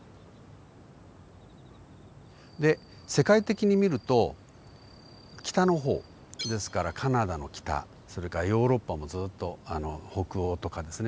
で世界的に見ると北の方ですからカナダの北それからヨーロッパもずっと北欧とかですね